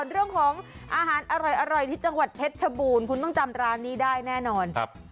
เรื่องของอาหารอร่อยที่จังหวัดเพชรชบูรณ์คุณต้องจำร้านนี้ได้แน่นอน